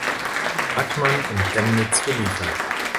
Hartmann in Chemnitz geliefert.